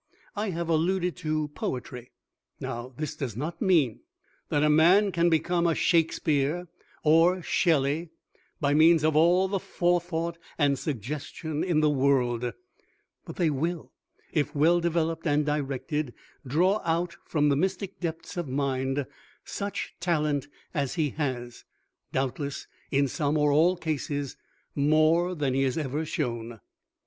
I have alluded to Poetry. Now this does not mean that a man can become a SHAKESPEARE or SHELLEY by means of all the forethought and suggestion in the world, but they will, if well developed and directed, draw out from the mystic depths of mind such talent as he has doubtless in some or all cases more than he has ever shown.